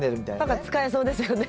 何か使えそうですよね。